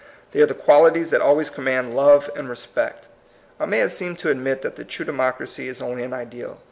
They are the qualities that always command love and respect. I may have seemed to admit that the true democracy is only an ideal.